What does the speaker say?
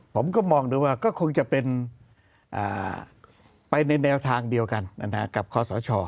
ผมก็มองดูว่าก็คงจะเป็นไปในแนวทางเดียวกันกับคอสช